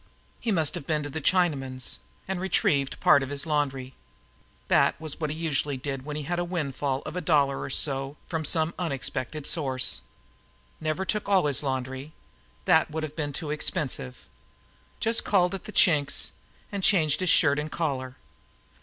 He must have been to the Chinaman's and retrieved part of his laundry. This was what he usually did when he had a windfall of a dollar or so from some unexpected source. Never took out all his laundry. That would have been too expensive. Just called at the Chink's and changed his shirt and collar.